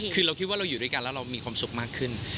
คิดว่าอยู่ด้วยกันเรามีความสุขมากขึ้น